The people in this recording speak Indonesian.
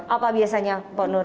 apa biasanya pak nur